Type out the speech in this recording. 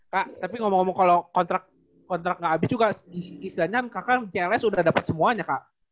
kak tapi ngomong ngomong kalo kontrak gak abis juga istilahnya kan cls udah dapet semuanya kak